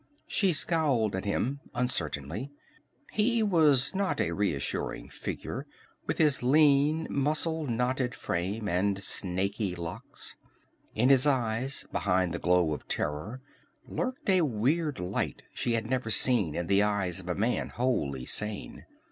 She scowled at him uncertainly. He was not a reassuring figure, with his lean, muscle knotted frame, and snaky locks. In his eyes, behind the glow of terror, lurked a weird light she had never seen in the eyes of a man wholly sane.